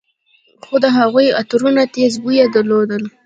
خو د هغوى عطرونو تېز بوى درلود.